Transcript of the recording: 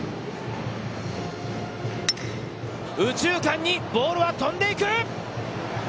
右中間にボールは飛んでいく。